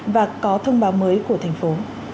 và có thông báo mới của thành phố